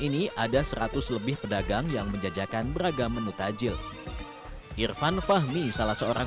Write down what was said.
ini ada seratus lebih pedagang yang menjajakan beragam menu tajil irfan fahmi salah seorang